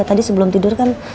tadi sebelum tidur kan